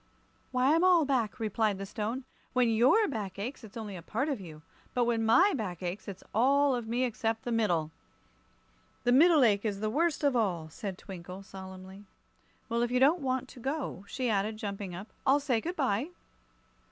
"Why, I'm all back," replied the Stone. "When your back aches, it's only a part of you. But when my back aches, it's all of me except the middle." "The middle ache is the worst of all," said Twinkle, solemnly. "Well, if you don't want to go," she added, jumping up, "I'll say good bye."